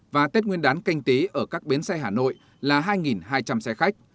và tết nguyên đán canh tí ở các bến xe hà nội là hai hai trăm linh xe khách